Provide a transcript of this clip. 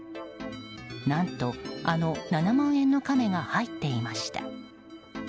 何と、あの７万円のカメが入っていました。